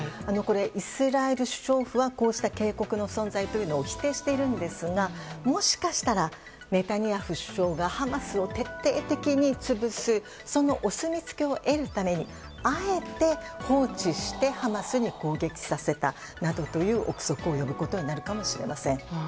イスラエル首相府はこうした警告の存在というのを否定しているんですがもしかしたらネタニヤフ首相がハマスを徹底的に潰すそのお墨付きを得るためにあえて放置してハマスに攻撃させたなどという憶測を呼ぶことになるかもしれません。